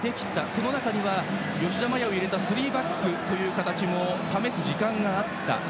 その中には吉田麻也を入れたスリーバックという形も試す時間があった。